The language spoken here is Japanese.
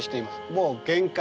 もう限界。